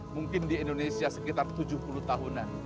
mungkin di indonesia sekitar tujuh puluh tahunan